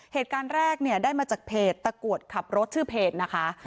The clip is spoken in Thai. เหตุการณ์แรกเนี่ยได้มาจากเพจตะกรวดขับรถชื่อเพจนะคะ